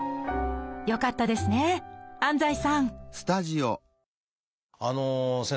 よかったですね安西さんあの先生